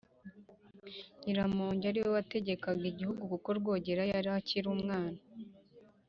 Nyiramongi ari we wategekaga Igihugu kuko Rwogera yari akiri umwana.